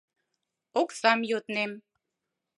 Оксам йоднем.